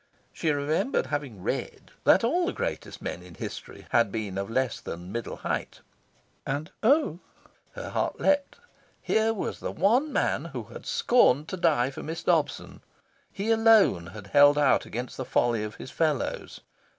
She remembered having read that all the greatest men in history had been of less than the middle height. And oh, her heart leapt here was the one man who had scorned to die for Miss Dobson. He alone had held out against the folly of his fellows.